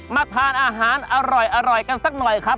มาทานอาหารอร่อยกันสักหน่อยครับ